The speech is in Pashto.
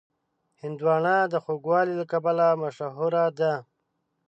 هندوانه د خوږوالي له کبله مشهوره ده.